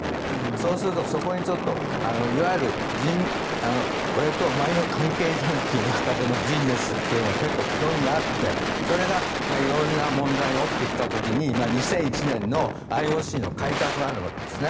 そうすると、そこにいわゆる俺とお前の関係じゃんという中でのビジネスというのが基本的にあってそれが色んな問題が起きてきた時に２００１年のＩＯＣの改革があるわけですね。